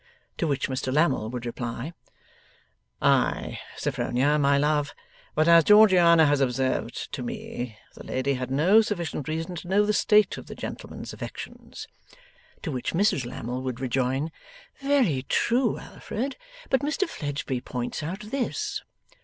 To which Mr Lammle would reply, 'Ay, Sophronia, my love, but as Georgiana has observed to me, the lady had no sufficient reason to know the state of the gentleman's affections.' To which Mrs Lammle would rejoin, 'Very true, Alfred; but Mr Fledgeby points out,' this.